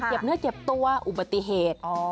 เนื้อเก็บตัวอุบัติเหตุ